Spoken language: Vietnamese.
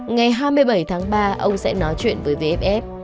ngày hai mươi bảy tháng ba ông sẽ nói chuyện với vff